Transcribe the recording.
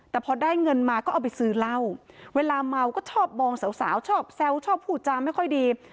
แต่พอได้เงินมาก็เอาไปซื้อเหล้าเวลาเมาก็ชอบมองสาวชอบแซวชอบพูดจาไม่ค่อยดี